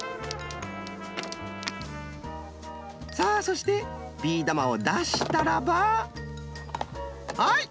さあそしてビー玉をだしたらばはい！